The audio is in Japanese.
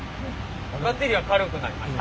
バッテリーは軽くなりました。